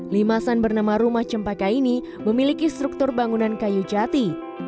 limasan bernama rumah cempaka ini memiliki struktur bangunan kayu jati